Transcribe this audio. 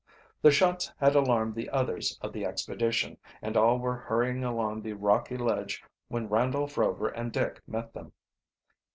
The shots had alarmed the others of the expedition, and all were hurrying along the rocky ledge when Randolph Rover and Dick met them.